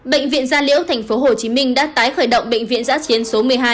bệnh viện gia liễu tp hcm đã tái khởi động bệnh viện giã chiến số một mươi hai